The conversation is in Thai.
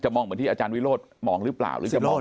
จะมองเหมือนที่อาจารย์วิโรธมองหรือเปล่า